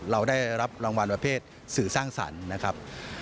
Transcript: เราได้รับรางวัลประเภทสื่อสร้างสรรค์นะครับ